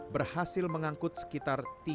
berhasil mengangkut sekitar tiga puluh delapan juta orang